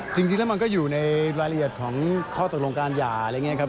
จริงแล้วมันก็อยู่ในรายละเอียดของข้อตกลงการหย่าอะไรอย่างนี้ครับ